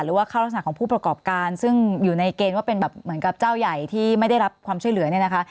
หรือว่าเข้ารักษณะของผู้ประกอบการซึ่งอยู่ในเกณฑ์ว่าเป็นแบบเหมือนกับเจ้าใหญ่ที่ไม่ได้รับความช่วยเหลือเนี่ยนะคะ